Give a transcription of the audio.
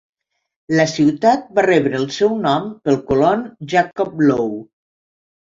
La ciutat va rebre el seu nom pel colon Jacob Low.